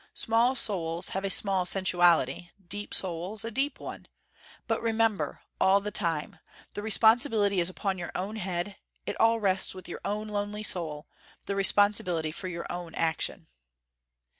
Small souls have a small sensuality, deep souls a deep one. But remember, all the time, the responsibility is upon your own head, it all rests with your own lonely soul, the responsibility for your own action."